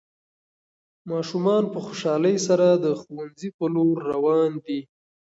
ماشومان په خوشحالۍ سره د ښوونځي په لور روان دي.